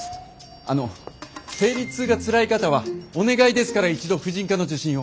あの生理痛がつらい方はお願いですから一度婦人科の受診を！